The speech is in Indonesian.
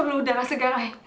ay perlu udara segar